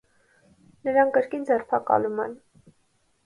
Նրան կրկին ձերբակալում են։